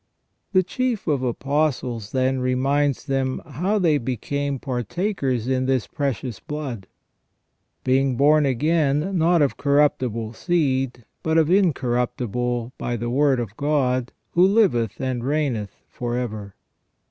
The chief of Apostles then reminds them how they became partakers in this precious blood :" Being born again, not of corruptible seed, but of incorruptible, by the Word of God, who liveth and reigneth for ever